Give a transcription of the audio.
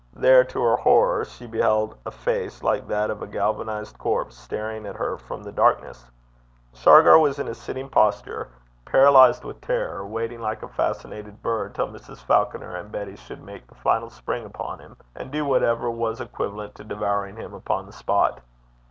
There, to her horror, she beheld a face like that of a galvanised corpse staring at her from the darkness. Shargar was in a sitting posture, paralysed with terror, waiting, like a fascinated bird, till Mrs. Falconer and Betty should make the final spring upon him, and do whatever was equivalent to devouring him upon the spot.